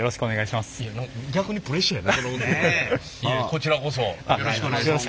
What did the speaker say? いえこちらこそよろしくお願いします。